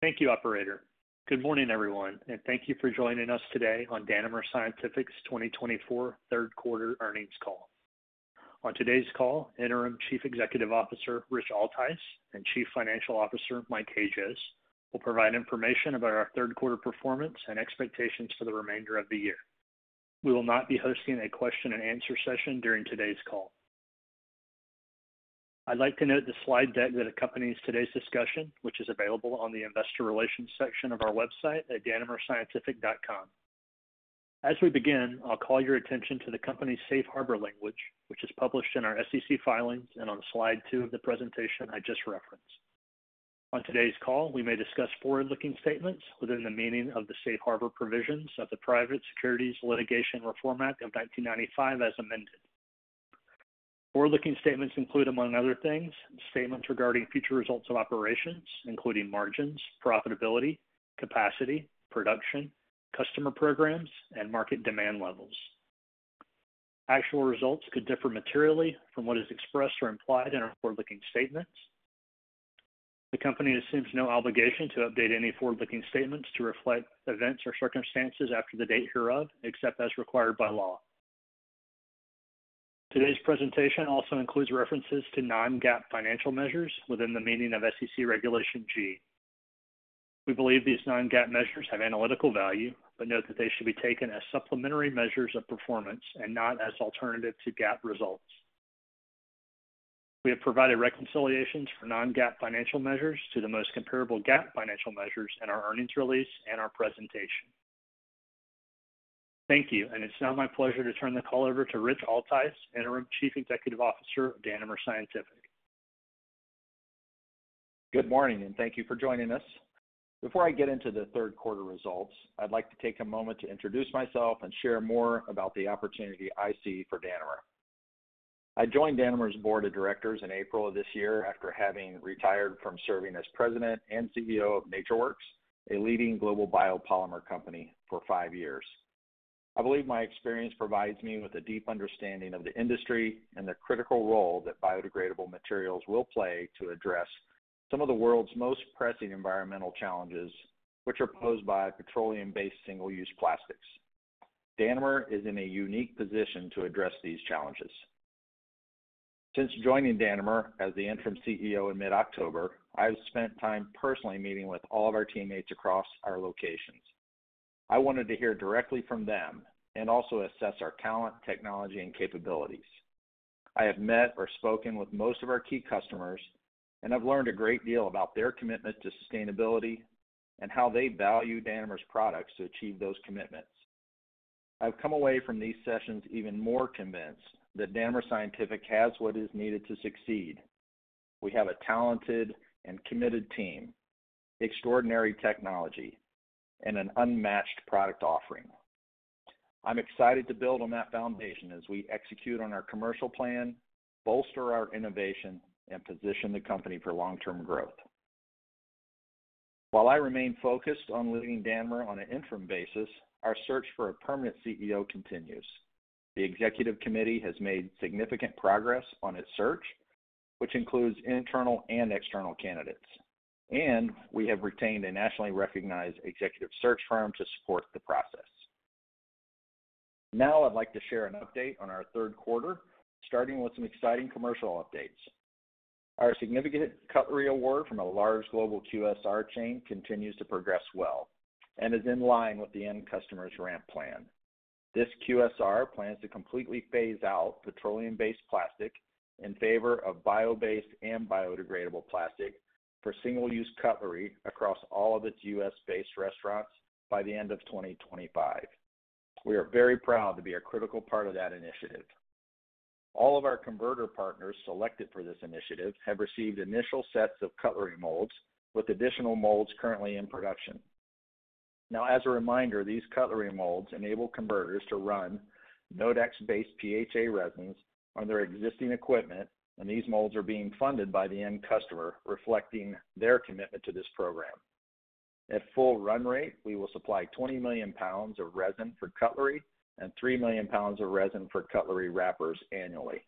Thank you, Operator. Good morning, everyone, and thank you for joining us today on Danimer Scientific's 2024 third-quarter earnings call. On today's call, Interim Chief Executive Officer Rich Altice and Chief Financial Officer Mike Hajost will provide information about our third-quarter performance and expectations for the remainder of the year. We will not be hosting a question-and-answer session during today's call. I'd like to note the slide deck that accompanies today's discussion, which is available on the Investor Relations section of our website at danimer-scientific.com. As we begin, I'll call your attention to the company's safe harbor language, which is published in our SEC filings and on slide two of the presentation I just referenced. On today's call, we may discuss forward-looking statements within the meaning of the safe harbor provisions of the Private Securities Litigation Reform Act of 1995 as amended. Forward-looking statements include, among other things, statements regarding future results of operations, including margins, profitability, capacity, production, customer programs, and market demand levels. Actual results could differ materially from what is expressed or implied in our forward-looking statements. The company assumes no obligation to update any forward-looking statements to reflect events or circumstances after the date hereof, except as required by law. Today's presentation also includes references to non-GAAP financial measures within the meaning of SEC Regulation G. We believe these non-GAAP measures have analytical value, but note that they should be taken as supplementary measures of performance and not as alternative to GAAP results. We have provided reconciliations for non-GAAP financial measures to the most comparable GAAP financial measures in our earnings release and our presentation. Thank you, and it's now my pleasure to turn the call over to Rich Altice, Interim Chief Executive Officer of Danimer Scientific. Good morning, and thank you for joining us. Before I get into the third-quarter results, I'd like to take a moment to introduce myself and share more about the opportunity I see for Danimer. I joined Danimer's board of directors in April of this year after having retired from serving as President and CEO of NatureWorks, a leading global biopolymer company, for five years. I believe my experience provides me with a deep understanding of the industry and the critical role that biodegradable materials will play to address some of the world's most pressing environmental challenges, which are posed by petroleum-based single-use plastics. Danimer is in a unique position to address these challenges. Since joining Danimer as the interim CEO in mid-October, I've spent time personally meeting with all of our teammates across our locations. I wanted to hear directly from them and also assess our talent, technology, and capabilities. I have met or spoken with most of our key customers, and I've learned a great deal about their commitment to sustainability and how they value Danimer's products to achieve those commitments. I've come away from these sessions even more convinced that Danimer Scientific has what is needed to succeed. We have a talented and committed team, extraordinary technology, and an unmatched product offering. I'm excited to build on that foundation as we execute on our commercial plan, bolster our innovation, and position the company for long-term growth. While I remain focused on leading Danimer on an interim basis, our search for a permanent CEO continues. The executive committee has made significant progress on its search, which includes internal and external candidates, and we have retained a nationally recognized executive search firm to support the process. Now, I'd like to share an update on our third quarter, starting with some exciting commercial updates. Our significant cutlery award from a large global QSR chain continues to progress well and is in line with the end customer's ramp plan. This QSR plans to completely phase out petroleum-based plastic in favor of bio-based and biodegradable plastic for single-use cutlery across all of its U.S.-based restaurants by the end of 2025. We are very proud to be a critical part of that initiative. All of our converter partners selected for this initiative have received initial sets of cutlery molds with additional molds currently in production. Now, as a reminder, these cutlery molds enable converters to run Nodax-based PHA resins on their existing equipment, and these molds are being funded by the end customer, reflecting their commitment to this program. At full run rate, we will supply 20 million pounds of resin for cutlery and 3 million pounds of resin for cutlery wrappers annually.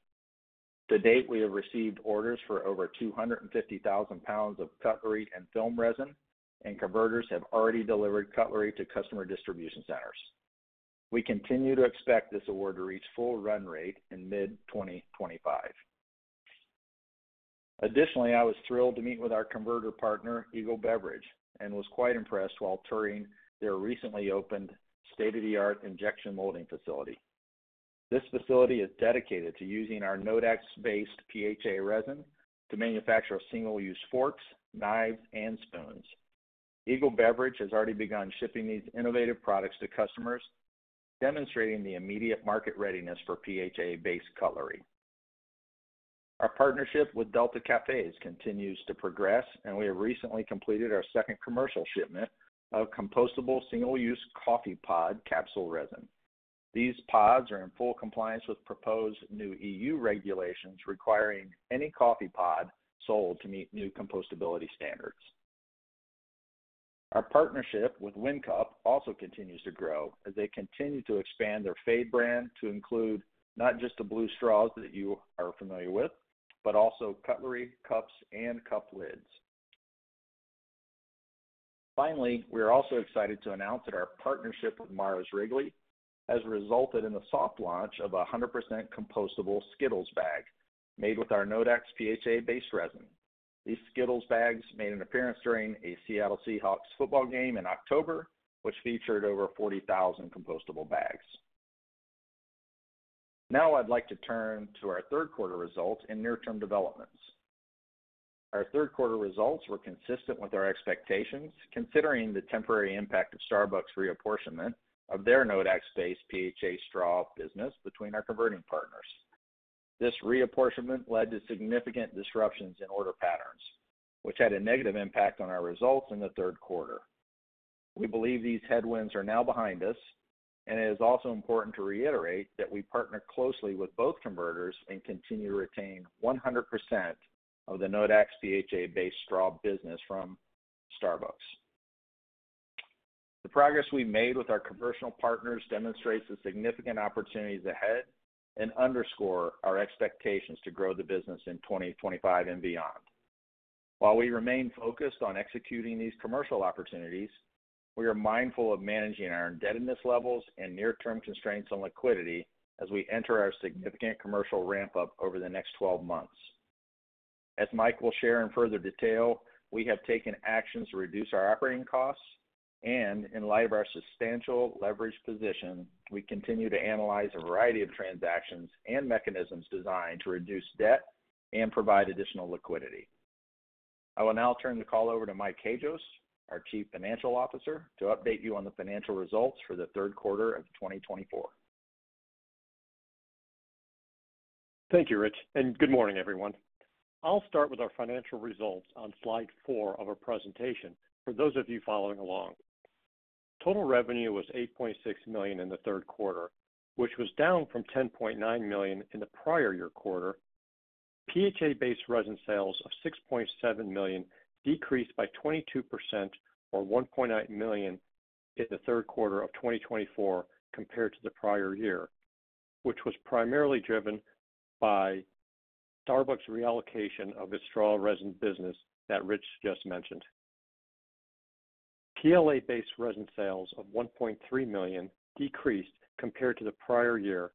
To date, we have received orders for over 250,000 pounds of cutlery and film resin, and converters have already delivered cutlery to customer distribution centers. We continue to expect this award to reach full run rate in mid-2025. Additionally, I was thrilled to meet with our converter partner, Eagle Beverage, and was quite impressed while touring their recently opened state-of-the-art injection molding facility. This facility is dedicated to using our Nodax-based PHA resin to manufacture single-use forks, knives, and spoons. Eagle Beverage has already begun shipping these innovative products to customers, demonstrating the immediate market readiness for PHA-based cutlery. Our partnership with Delta Cafés continues to progress, and we have recently completed our second commercial shipment of compostable single-use coffee pod capsule resin. These pods are in full compliance with proposed new EU regulations requiring any coffee pod sold to meet new compostability standards. Our partnership with WinCup also continues to grow as they continue to expand their phade brand to include not just the blue straws that you are familiar with, but also cutlery cups and cup lids. Finally, we are also excited to announce that our partnership with Mars Wrigley has resulted in the soft launch of a 100% compostable Skittles bag made with our Nodax PHA-based resin. These Skittles bags made an appearance during a Seattle Seahawks football game in October, which featured over 40,000 compostable bags. Now, I'd like to turn to our third-quarter results and near-term developments. Our third-quarter results were consistent with our expectations, considering the temporary impact of Starbucks' reapportionment of their Nodax-based PHA straw business between our converter partners. This reapportionment led to significant disruptions in order patterns, which had a negative impact on our results in the third quarter. We believe these headwinds are now behind us, and it is also important to reiterate that we partner closely with both converters and continue to retain 100% of the Nodax PHA-based straw business from Starbucks. The progress we've made with our commercial partners demonstrates the significant opportunities ahead and underscores our expectations to grow the business in 2025 and beyond. While we remain focused on executing these commercial opportunities, we are mindful of managing our indebtedness levels and near-term constraints on liquidity as we enter our significant commercial ramp-up over the next 12 months. As Mike will share in further detail, we have taken actions to reduce our operating costs, and in light of our substantial leverage position, we continue to analyze a variety of transactions and mechanisms designed to reduce debt and provide additional liquidity. I will now turn the call over to Mike Hajost, our Chief Financial Officer, to update you on the financial results for the third quarter of 2024. Thank you, Rich, and good morning, everyone. I'll start with our financial results on slide four of our presentation for those of you following along. Total revenue was $8.6 million in the third quarter, which was down from $10.9 million in the prior year quarter. PHA-based resin sales of $6.7 million decreased by 22%, or $1.8 million, in the third quarter of 2024 compared to the prior year, which was primarily driven by Starbucks' reallocation of its straw resin business that Rich just mentioned. PLA-based resin sales of $1.3 million decreased compared to the prior year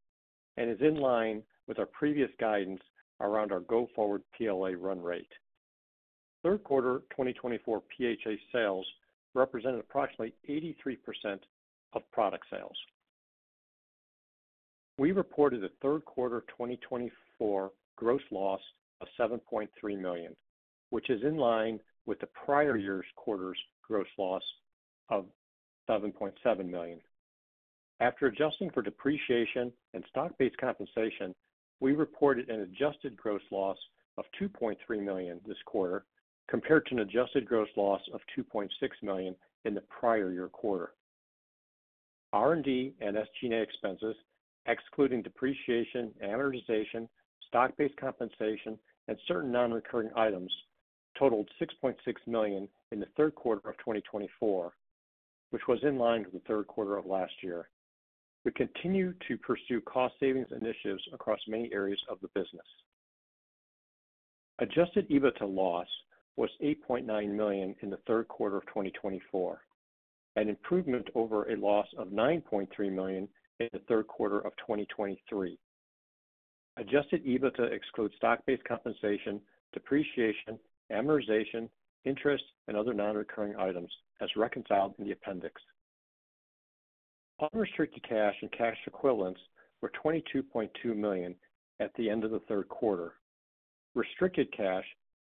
and is in line with our previous guidance around our go-forward PLA run rate. Third quarter 2024 PHA sales represented approximately 83% of product sales. We reported the third quarter 2024 gross loss of $7.3 million, which is in line with the prior year's quarter's gross loss of $7.7 million. After adjusting for depreciation and stock-based compensation, we reported an adjusted gross loss of $2.3 million this quarter compared to an adjusted gross loss of $2.6 million in the prior year quarter. R&D and SG&A expenses, excluding depreciation, amortization, stock-based compensation, and certain non-recurring items, totaled $6.6 million in the third quarter of 2024, which was in line with the third quarter of last year. We continue to pursue cost-savings initiatives across many areas of the business. Adjusted EBITDA loss was $8.9 million in the third quarter of 2024, an improvement over a loss of $9.3 million in the third quarter of 2023. Adjusted EBITDA excludes stock-based compensation, depreciation, amortization, interest, and other non-recurring items as reconciled in the appendix. Unrestricted cash and cash equivalents were $22.2 million at the end of the third quarter. Restricted cash,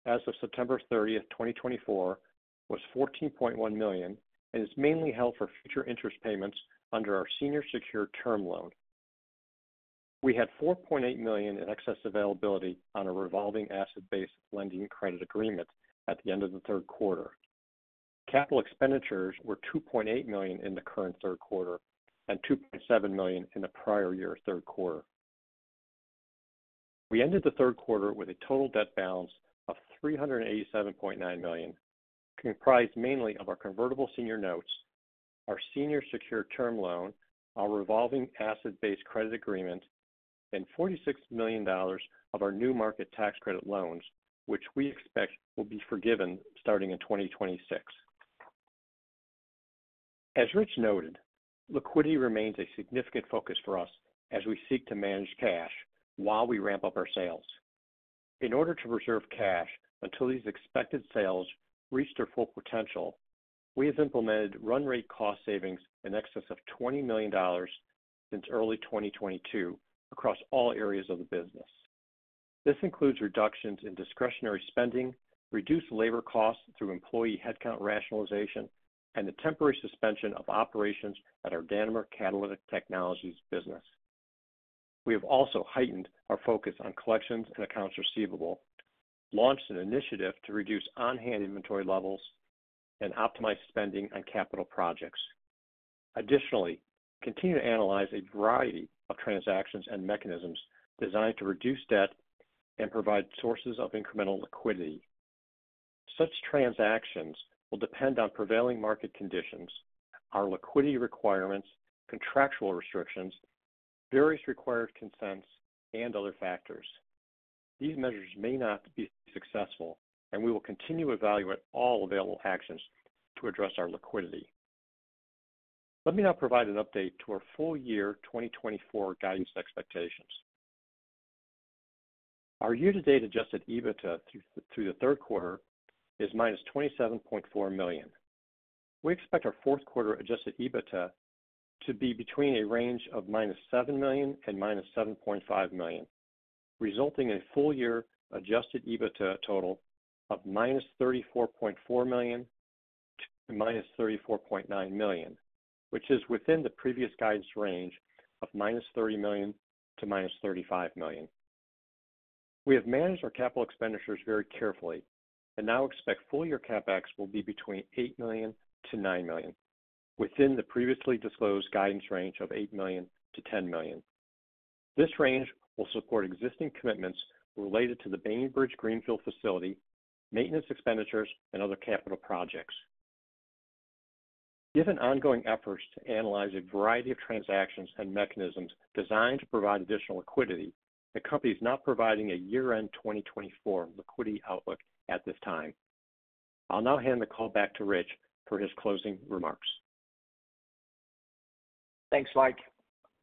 as of September 30th, 2024, was $14.1 million and is mainly held for future interest payments under our senior secured term loan. We had $4.8 million in excess availability on a revolving asset-based lending credit agreement at the end of the third quarter. Capital expenditures were $2.8 million in the current third quarter and $2.7 million in the prior year's third quarter. We ended the third quarter with a total debt balance of $387.9 million, comprised mainly of our convertible senior notes, our senior secured term loan, our revolving asset-based credit agreement, and $46 million of our New Market Tax Credit loans, which we expect will be forgiven starting in 2026. As Rich noted, liquidity remains a significant focus for us as we seek to manage cash while we ramp up our sales. In order to preserve cash until these expected sales reach their full potential, we have implemented run-rate cost savings in excess of $20 million since early 2022 across all areas of the business. This includes reductions in discretionary spending, reduced labor costs through employee headcount rationalization, and the temporary suspension of operations at our Danimer Catalytic Technologies business. We have also heightened our focus on collections and accounts receivable, launched an initiative to reduce on-hand inventory levels, and optimized spending on capital projects. Additionally, we continue to analyze a variety of transactions and mechanisms designed to reduce debt and provide sources of incremental liquidity. Such transactions will depend on prevailing market conditions, our liquidity requirements, contractual restrictions, various required consents, and other factors. These measures may not be successful, and we will continue to evaluate all available actions to address our liquidity. Let me now provide an update to our full year 2024 guidance expectations. Our year-to-date adjusted EBITDA through the third quarter is -$27.4 million. We expect our fourth quarter adjusted EBITDA to be between a range of -$7 million and -$7.5 million, resulting in a full year adjusted EBITDA total of -$34.4 million to -$34.9 million, which is within the previous guidance range of -$30 million to -$35 million. We have managed our capital expenditures very carefully and now expect full year CapEx will be between $8 million-$9 million, within the previously disclosed guidance range of $8 million-$10 million. This range will support existing commitments related to the Bainbridge Greenfield Facility, maintenance expenditures, and other capital projects. Given ongoing efforts to analyze a variety of transactions and mechanisms designed to provide additional liquidity, the company is not providing a year-end 2024 liquidity outlook at this time. I'll now hand the call back to Rich for his closing remarks. Thanks, Mike.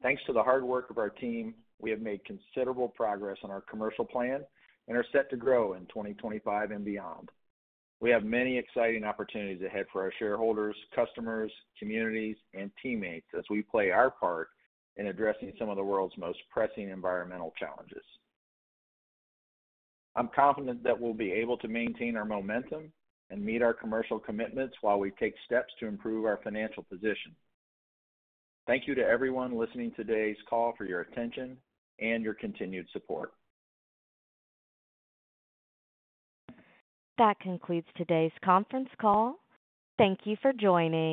Thanks to the hard work of our team, we have made considerable progress on our commercial plan and are set to grow in 2025 and beyond. We have many exciting opportunities ahead for our shareholders, customers, communities, and teammates as we play our part in addressing some of the world's most pressing environmental challenges. I'm confident that we'll be able to maintain our momentum and meet our commercial commitments while we take steps to improve our financial position. Thank you to everyone listening to today's call for your attention and your continued support. That concludes today's conference call. Thank you for joining.